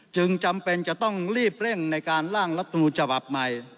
จึงจำเป็นจะต้องรีบเร่งในการล่างรัฐมนูลฉบับใหม่